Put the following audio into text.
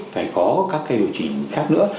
phải có các cái điều chỉnh khác nữa